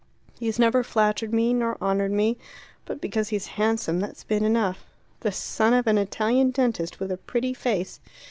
He's never flattered me nor honoured me. But because he's handsome, that's been enough. The son of an Italian dentist, with a pretty face."